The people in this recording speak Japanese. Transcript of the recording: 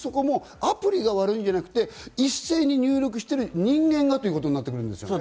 アプリが悪いんじゃなくて、一斉に入力している人間がということになってくるんですよね。